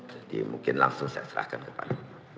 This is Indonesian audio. jadi mungkin langsung saya serahkan kepada